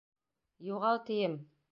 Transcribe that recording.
Юғалтием!